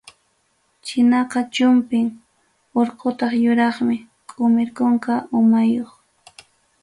Chinaqa chumpim, urqutaq yuraqmi, qumir kunka umayuq.